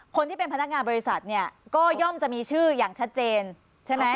คนที่เป็นพนักงานบริษัทเนี่ยก็ย่อมจะมีชื่ออย่างชัดเจนใช่ไหม